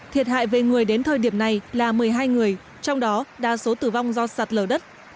thiệt hại về người đến thời điểm này là một mươi hai người trong đó đa số tử vong do sạt lở đất